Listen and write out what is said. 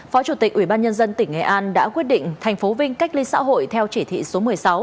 phó chủ tịch ubnd tỉnh nghệ an đã quyết định thành phố vinh cách ly xã hội theo chỉ thị số một mươi sáu